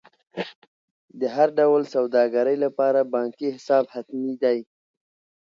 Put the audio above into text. د هر ډول سوداګرۍ لپاره بانکي حساب حتمي دی.